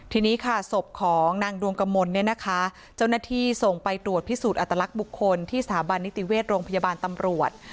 ทีนี้ค่ะศพของนางดวงกมลเนี่ยนะคะเจ้าหน้าที่ส่งไปตรวจพิสูจน์อัตลักษณ์บุคคลที่สถาบันนิติเวชโรงพยาบาลตำรวจ